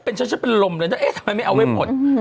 เป็นชัดเป็นลมเลยนะเอ๊ะทำไมไม่เอาไว้ผล